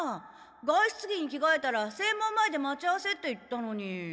外出着に着がえたら正門前で待ち合わせって言ったのに。